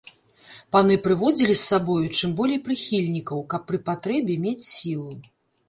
Паны прыводзілі з сабою чым болей прыхільнікаў, каб пры патрэбе мець сілу.